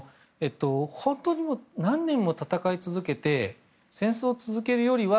本当に何年も戦い続けて戦争を続けるよりは